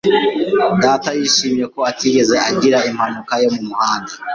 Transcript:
Data yishimiye ko atigeze agira impanuka yo mu muhanda.